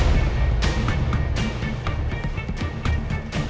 jangan sampai ada yang liat gue disini